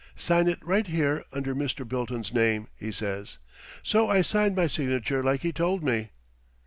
'Sign it right here under Mr. Bilton's name,' he says. So I signed my signature like he told me."